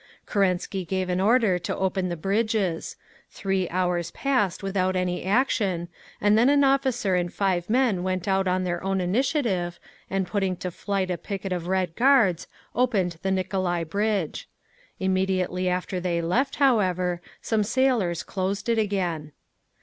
Kerensky gave an order to open the bridges; three hours passed without any action, and then an officer and five men went out on their own initiative, and putting to flight a picket of Red Guards, opened the Nicolai Bridge. Immediately after they left, however, some sailors closed it again.